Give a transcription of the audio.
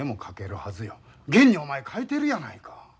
現にお前書いてるやないか。